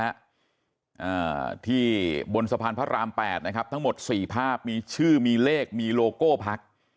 อ่าที่บนสะพานพระรามแปดนะครับทั้งหมดสี่ภาพมีชื่อมีเลขมีโลโก้พัก